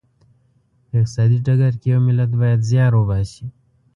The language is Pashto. په اقتصادي ډګر کې یو ملت باید زیار وباسي.